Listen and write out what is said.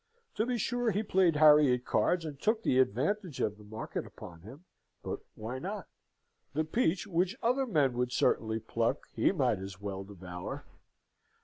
To be sure he played Harry at cards, and took the advantage of the market upon him; but why not? The peach which other men would certainly pluck, he might as well devour.